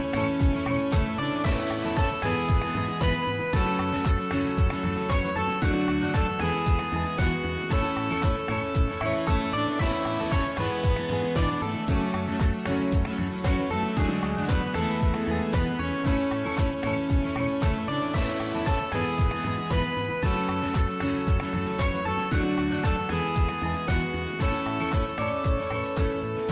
โปรดติดตามตอนต่อไป